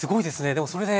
でもそれで。